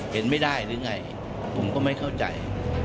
เห็นไม่ได้หรือไงผมก็ไม่เข้าใจ